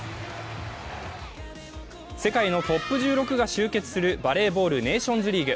世界のトップ１６が集結するバレーボール、ネーションリーグ。